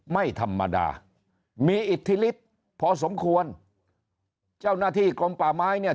ไม่ธรรมดามีอิทธิฤทธิ์พอสมควรเจ้าหน้าที่กลมป่าไม้เนี่ย